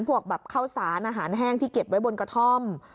พวกแบบข้าวสารอาหารแห้งที่เก็บไว้บนกระท่อม